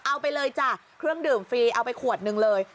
เอาไปเลยจ้ะเครื่องดื่มฟรีเอาไปขวดหนึ่งเลย